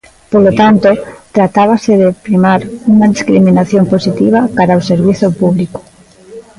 Polo tanto, tratábase de primar unha discriminación positiva cara ao servizo público.